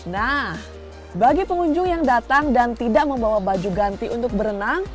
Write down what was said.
nah bagi pengunjung yang datang dan tidak membawa baju ganti untuk berenang